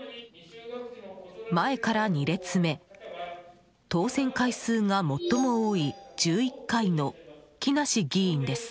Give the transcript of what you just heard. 前から２列目、当選回数が最も多い１１回の木梨議員です。